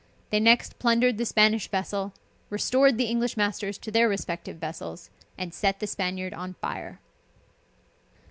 They next plundered the Spanish vessel, restored the English masters to their respective vessels, and set the Spaniard on fire.